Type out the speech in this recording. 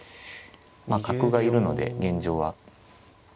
まあ角がいるので現状は。